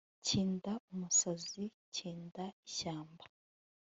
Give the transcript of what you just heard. kinda umusazi, kinda ishyamba